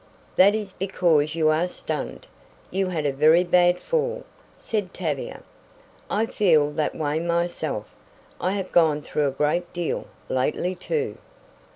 "That is because you are stunned you had a very bad fall," said Tavia. "I feel that way myself I have gone through a great deal, lately, too."